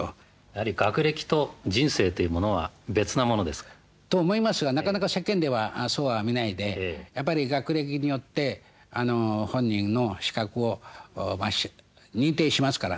・やはり学歴と人生というものは別のものですか？と思いますがなかなか世間ではそうは見ないでやっぱり学歴によって本人の資格を認定しますからね。